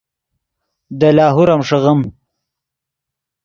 دے لاہور ام ݰیغیم